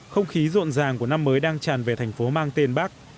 không khí rộn ràng của năm mới đang tràn về thành phố mang tên bắc